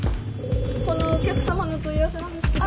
このお客様のお問い合わせなんですけど。